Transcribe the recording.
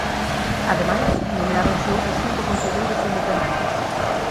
Ademais, nomeáronse outros cinco conselleiros independentes.